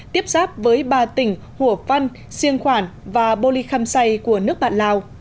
tiếp sáp với ba tỉnh hủa văn siêng khoản và bô lý khăm say của nước bạn lào